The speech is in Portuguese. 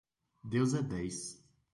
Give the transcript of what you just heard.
Deus é dez.